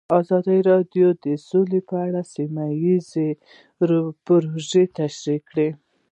ازادي راډیو د سوله په اړه سیمه ییزې پروژې تشریح کړې.